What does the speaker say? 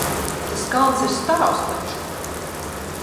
Tas kalns ir stāvs taču.